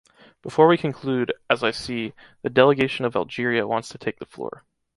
Before we conclude, as I see, the delegation of Algeria wants to take the floor.